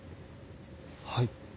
はい。